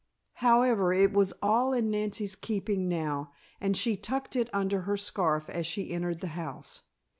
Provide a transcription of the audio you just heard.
However, it was all in Nancy's keeping now, and she tucked it under her scarf as she entered the house.